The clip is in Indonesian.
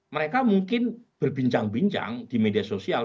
mereka mungkin berbincang bincang di media sosial